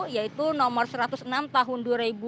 yaitu nomor satu ratus enam tahun dua ribu dua